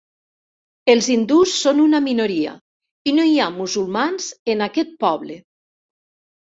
Els hindús són una minoria i no hi ha musulmans en aquest poble.